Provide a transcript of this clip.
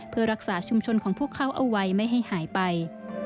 เพื่อรักษาชุมชนของพวกเขาเอาไว้ไม่ให้หายไป